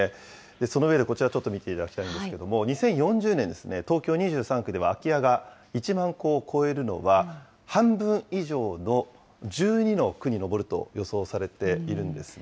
その上でこちら、ちょっと見ていただきたいんですけれども、２０４０年ですね、東京２３区では、空き家が１万戸を超えるのは、半分以上の１２の区に上ると予想されているんですね。